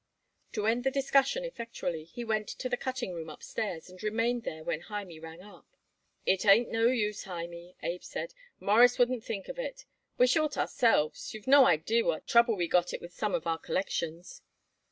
To end the discussion effectually he went to the cutting room upstairs and remained there when Hymie rang up. "It ain't no use, Hymie," Abe said. "Mawruss wouldn't think of it. We're short ourselves. You've no idee what trouble we got it with some of our collections."